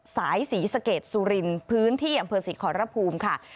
สายศรีสเกจสุรินพื้นที่อำเภอศรีขอรพภูมิค่ะ